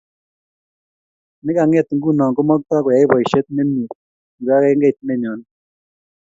Nekanget nguno ko maktoi koyai boishet nemie kibangengeit nenyoni